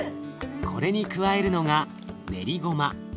これに加えるのが練りごま